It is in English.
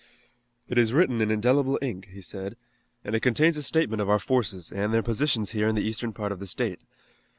"It is written in indelible ink," he said, "and it contains a statement of our forces and their positions here in the eastern part of the state.